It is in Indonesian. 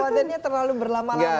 awadannya terlalu berlama lama